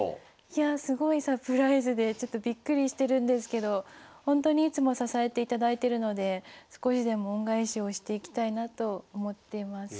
いやあすごいサプライズでちょっとびっくりしてるんですけどほんとにいつも支えていただいてるので少しでも恩返しをしていきたいなと思っています。